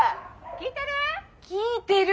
聞いてる！？」。